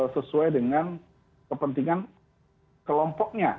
sesuai dengan kepentingan kelompoknya